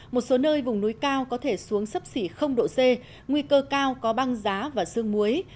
một số nơi vùng núi cao có thể xuống sấp xỉ độ c nguy cơ cao có băng giá và sương muối